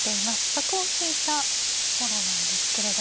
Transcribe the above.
角を引いたところなんですけれども。